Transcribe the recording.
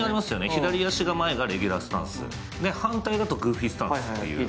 左が前だとレギュラースタンス、反対だとグーフィースタンス。